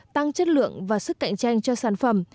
tăng chất lượng và sức cạnh tranh cho sản phẩm